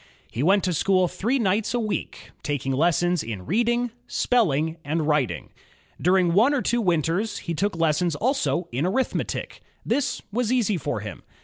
He went to school three nights a week, taking lessons in reading, spelling, and writing. During one or two winters, he took lessons also in arithmetic. This was easy for him.